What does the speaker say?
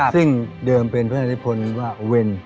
ซึ่งเดิมเป็นพระราชนิพลว่าเวร